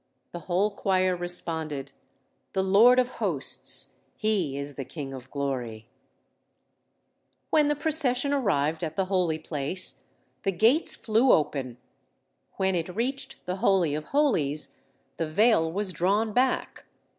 _ the whole choir responded, The Lord of Hosts, he is the King of Glory. When the procession arrived at the Holy Place, the gates flew open; when it reached the Holy of Holies, the veil was drawn back.